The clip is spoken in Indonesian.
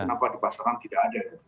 kenapa di pasaran tidak ada